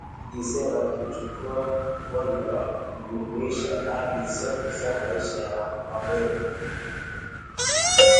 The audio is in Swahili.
kijinsia na kuchukuwa mkondo wa kujumuisha hali zote za maisha ya Wameru